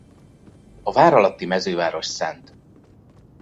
A vár alatti mezőváros Szt.